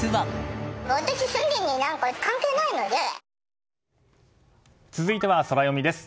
ペイトク続いてはソラよみです。